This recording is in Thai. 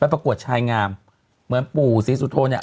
ประกวดชายงามเหมือนปู่ศรีสุโธเนี่ย